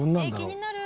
気になる。